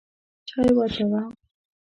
چای واچوه!